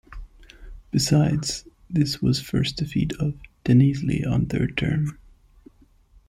Besides, this was first defeat of Denizli on third term.